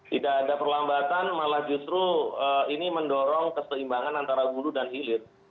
tidak ada perlambatan malah justru ini mendorong keseimbangan antara hulu dan hilir